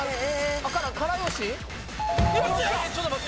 ちょっと待って。